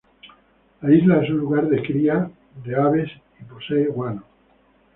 La isla es un lugar de cría de aves y posee guano.